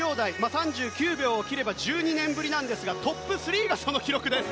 ３９秒を切れば１２年ぶりなんですがトップ３が、その記録です。